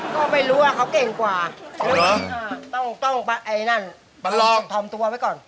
ก็ไม่รู้ว่าเขาเก่งกว่าหรือต้มต้มต้มตัวไว้ก่อน